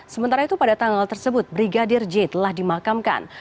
sementara itu pada tanggal tersebut brigadir j telah dimakamkan